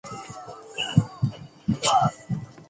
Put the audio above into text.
出身于日本岩手县。